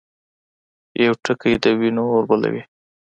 يو ټکی د وينو اور بلوي.